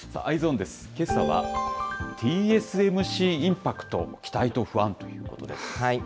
けさは、ＴＳＭＣインパクト、期待と不安ということです。